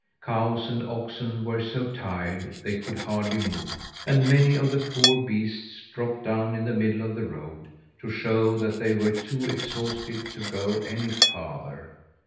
Cows and oxen were so tired they could hardly move, and many of the poor beasts dropped down in the middle of the road, to show that they were too exhausted to go any farther.